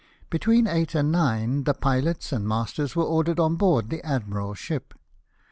Between eight and nine the pilots and masters were ordered on board the admiral's ship.